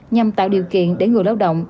nhằm tạo điều kiện để người lao động